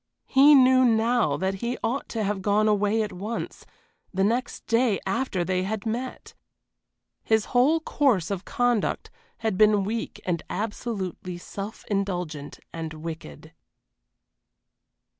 He knew now that he ought to have gone away at once, the next day after they had met. His whole course of conduct had been weak and absolutely self indulgent and wicked.